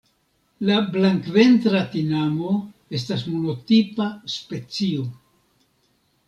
La Blankventra tinamo estas monotipa specio.